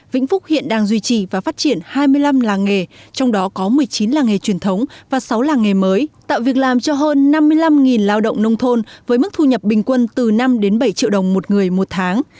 vĩnh phúc hiện đang duy trì và phát triển hai mươi năm làng nghề trong đó có một mươi chín làng nghề truyền thống và sáu làng nghề mới tạo việc làm cho hơn năm mươi năm lao động nông thôn với mức thu nhập bình quân từ năm đến bảy triệu đồng một người một tháng